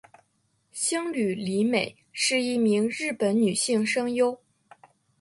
兴梠里美是一名日本女性声优。